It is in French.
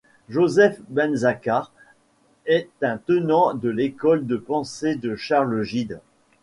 Joseph Benzacar est un tenant de l'école de pensée de Charles Gide.